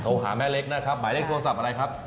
หาแม่เล็กนะครับหมายเลขโทรศัพท์อะไรครับ